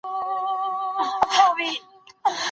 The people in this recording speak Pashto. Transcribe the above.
خیر محمد ته د لور غږ تر هر څه قیمتي و.